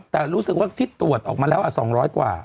แต่รู้สึกว่าที่ตรวจออกมาแล้ว๒๐๐กว่า